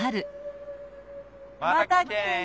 また来てね！